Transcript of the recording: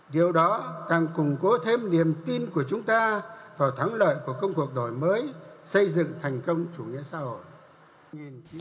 điều đó càng củng cố thêm niềm tin của chúng ta vào thắng lợi của công cuộc đổi mới xây dựng thành công chủ nghĩa xã hội